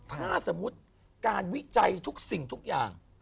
ถ้าสมมุติการวิจัยทุกสิ่งทุกอย่าง